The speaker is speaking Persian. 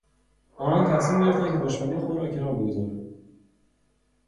آنان تصمیم گرفتند که دشمنی خود را کنار بگذارند.